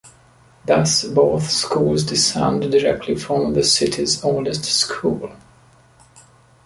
Thus, both schools descend directly from the city's oldest school.